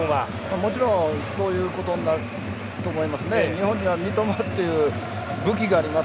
もちろんそういうことになると思います。